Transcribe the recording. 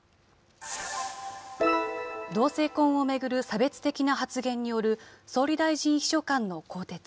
同性婚を巡る差別的な発言による総理大臣秘書官の更迭。